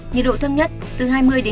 nhiệt độ thấp nhất từ hai mươi hai mươi ba độ